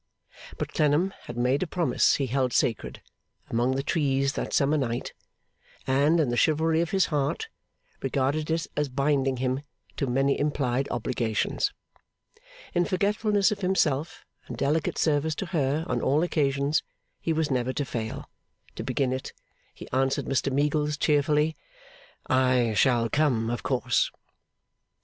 But Clennam had made a promise he held sacred, among the trees that summer night, and, in the chivalry of his heart, regarded it as binding him to many implied obligations. In forgetfulness of himself, and delicate service to her on all occasions, he was never to fail; to begin it, he answered Mr Meagles cheerfully, 'I shall come, of course.